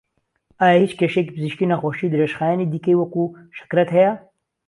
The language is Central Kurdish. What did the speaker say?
ئایا هیچ کێشەی پزیشکی نەخۆشی درێژخایەنی دیکەی وەکوو شەکرەت هەیە؟